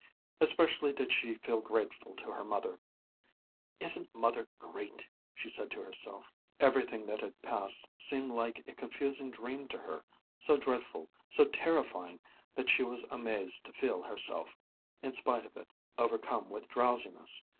Especially did she feel grateful to her mother. "Isn't Mother great!" she said to herself. Everything that had passed seemed like a confusing dream to her, so dreadful, so terrifying that she was amazed to feel herself, in spite of it, overcome with drowsiness.